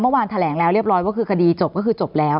เมื่อวานแถลงแล้วเรียบร้อยว่าคือคดีจบก็คือจบแล้ว